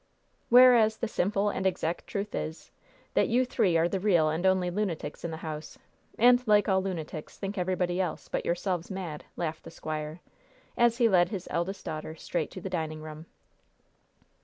"Whereas the simple and exact truth is, that you three are the real and only lunatics in the house, and, like all lunatics, think everybody else but yourselves mad," laughed the squire, as he led his eldest daughter straight to the dining room.